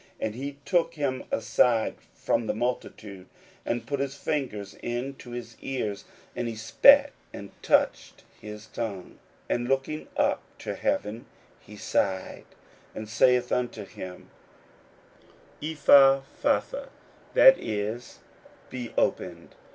41:007:033 And he took him aside from the multitude, and put his fingers into his ears, and he spit, and touched his tongue; 41:007:034 And looking up to heaven, he sighed, and saith unto him, Ephphatha, that is, Be opened.